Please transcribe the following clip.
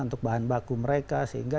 untuk bahan baku mereka sehingga